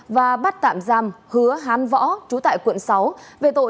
và bắt tạm giam hứa hán võ